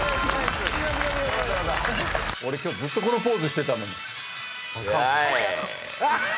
俺今日ずっとこのポーズしてたの。